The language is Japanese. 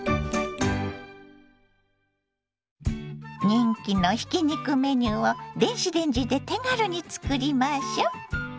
人気のひき肉メニューを電子レンジで手軽に作りましょ。